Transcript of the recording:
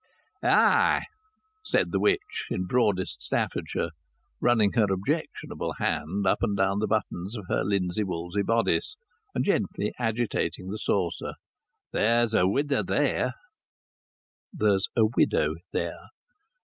"Ay!" said the witch, in broadest Staffordshire, running her objectionable hand up and down the buttons of her linsey woolsey bodice, and gently agitating the saucer. "Theer's a widder theer." [There's a widow there.